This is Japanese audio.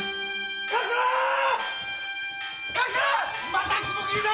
また雲切だ！